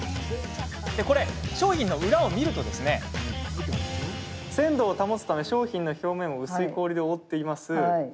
こちら商品の表示を見ると鮮度を保つため商品の表面を薄い氷で覆っています。